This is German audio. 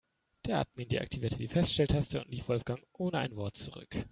Der Admin deaktivierte die Feststelltaste und ließ Wolfgang ohne ein Wort zurück.